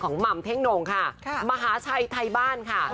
หม่ำเท่งโน่งค่ะมหาชัยไทยบ้านค่ะ